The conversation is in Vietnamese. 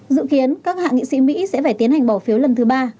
dự kiến các hạ nghị sĩ mỹ sẽ phải tiến hành bỏ phiếu lần thứ ba